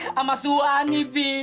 sama suha nih fi